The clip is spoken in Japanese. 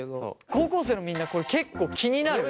高校生のみんなこれ結構気になる？